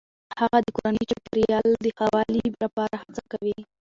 هغه د کورني چاپیریال د ښه والي لپاره هڅه کوي.